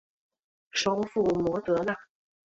首府摩德纳。